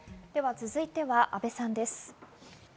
続いては阿部さんです。